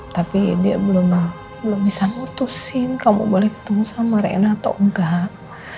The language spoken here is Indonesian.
tapi dia belum bisa putusin kamu boleh ketemu sama rena atau enggak